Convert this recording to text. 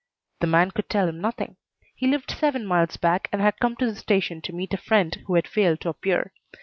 The man could tell him nothing. He lived seven miles back and had come to the station to meet a friend who had failed to appear.